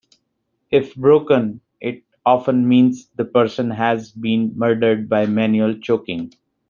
If broken, it often means the person has been murdered by manual choking.